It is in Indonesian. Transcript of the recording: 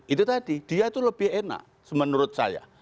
itu tadi dia itu lebih enak menurut saya